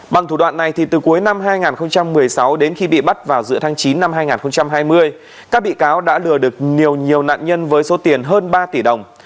bằng thủ đoạn này từ cuối năm hai nghìn một mươi sáu đến khi bị bắt vào giữa tháng chín năm hai nghìn hai mươi các bị cáo đã lừa được nhiều nạn nhân với số tiền hơn ba tỷ đồng